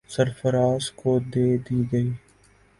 سرفراز کو دے دی گئی۔